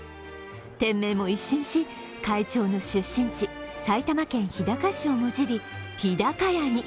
店名も一新し、会長の出身地埼玉県日高市をもじり日高屋に。